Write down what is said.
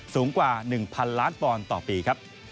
สูงกว่า๑๐๐๐ล้านปอนด์ต่อปีครับ